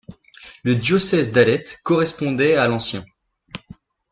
Le diocèse d'Alet correspondait ' à l'ancien '.